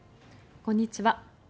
こんにちは。